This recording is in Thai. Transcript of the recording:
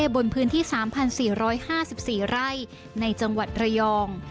บนพื้นที่๓๔๕๔ไร่ในจังหวัดระยอง